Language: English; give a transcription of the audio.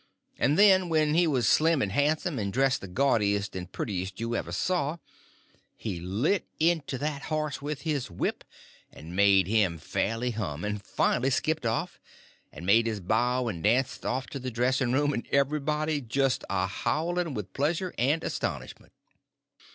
And, then, there he was, slim and handsome, and dressed the gaudiest and prettiest you ever saw, and he lit into that horse with his whip and made him fairly hum—and finally skipped off, and made his bow and danced off to the dressing room, and everybody just a howling with pleasure and astonishment.